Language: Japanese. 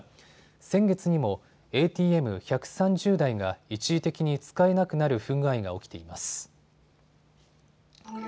先月にもＡＴＭ１３０台が一時的に使えなくなる不具合が起きています。